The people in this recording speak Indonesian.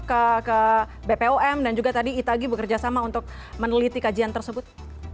ke bpom dan juga tadi itagi bekerjasama untuk meneliti kajian tersebut